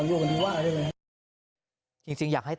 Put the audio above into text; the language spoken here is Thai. วันนี้ทีมข่าวไทยรัฐทีวีไปสอบถามเพิ่ม